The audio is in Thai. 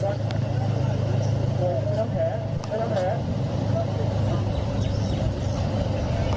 เจอแล้วเจอแล้วเจอแล้ว